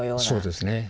そうですね。